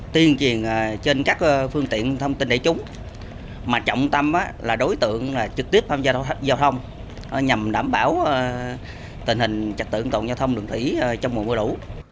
tiên triển trên các phương tiện thông tin để chúng mà trọng tâm là đối tượng trực tiếp tham gia giao thông nhằm đảm bảo tình hình trạch tượng tổn giao thông đường thủy trong mùa lũ